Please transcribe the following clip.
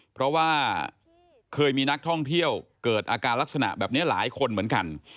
เพราะว่าเคยมีนักท่องเที่ยวเกิดอาการลักษณะแบบนี้หลายคนเหมือนกัน